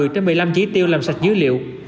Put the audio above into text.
một mươi trên một mươi năm chỉ tiêu làm sạch dữ liệu